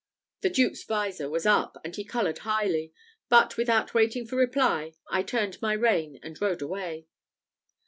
The duke's visor was up, and he coloured highly; but without waiting for reply, I turned my rein, and rode away.